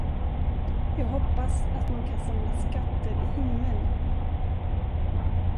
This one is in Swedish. Jag hoppas, att man kan samla skatter i himmeln.